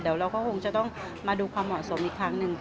เดี๋ยวเราก็คงจะต้องมาดูความเหมาะสมอีกครั้งหนึ่ง